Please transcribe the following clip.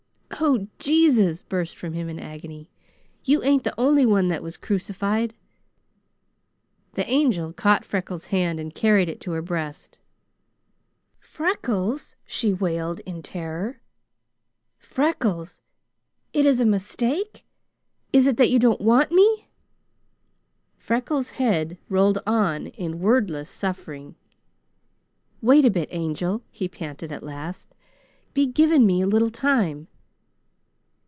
"Oh, Jesus!" burst from him in agony. "You ain't the only one that was crucified!" The Angel caught Freckles' hand and carried it to her breast. "Freckles!" she wailed in terror, "Freckles! It is a mistake? Is it that you don't want me?" Freckles' head rolled on in wordless suffering. "Wait a bit, Angel?" he panted at last. "Be giving me a little time!"